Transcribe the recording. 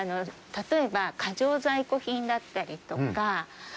例えば過剰在庫品だったりとか。